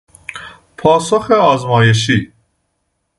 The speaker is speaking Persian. پاسخ آزمایشی